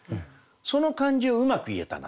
その感じをうまく言えたなと。